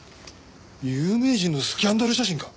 有名人のスキャンダル写真か。